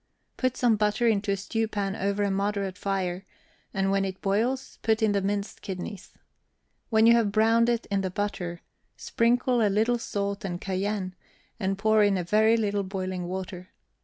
Put some butter into a stewpan over a moderate fire, and when it boils put in the minced kidneys. When you have browned it in the butter, sprinkle on a little salt and cayenne, and pour in a very little boiling water.